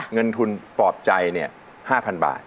เงินทุนปลอบใจ๕๐๐๐บาท